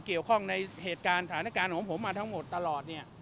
เกี่ยวข้องในเหตุการณ์สถานการณ์ของผมมาทั้งหมดตลอดเนี่ย